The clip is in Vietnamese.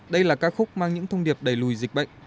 đây là ca khúc mang những thông điệp đẩy lùi dịch bệnh